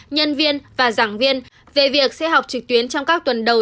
nhân viên và giảng viên về việc sẽ học trực tuyến trong các tuần đầu